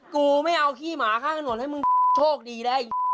กูไม่เอาขี้หมาข้างข้างหน่อยให้มึงโชคดีแล้วไอ้